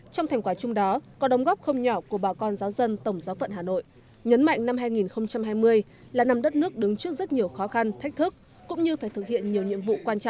trong thành quả chung đó có đồng góp không nhỏ của bà con giáo dân tổng giáo phận hà nội nhấn mạnh năm hai nghìn hai mươi là năm đất nước đứng trước rất nhiều khó khăn thách thức cũng như phải thực hiện nhiều nhiệm vụ quan trọng